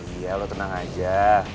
iya lo tenang aja